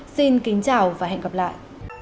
xin kính chào và hẹn gặp lại